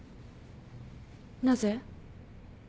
なぜ？